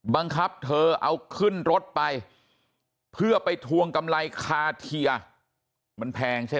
บังคับเธอเอาขึ้นรถไปเพื่อไปทวงกำไรคาเทียมันแพงใช่ไหม